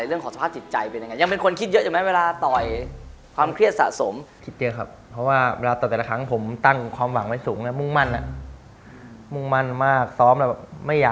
เรื่องขอสภาพติดใจเป็นยังไง